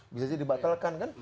bisa saja dibatalkan kan